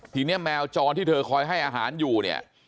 ทีนี้แมวจรที่เธอคอยให้อาหารอยู่เนี่ย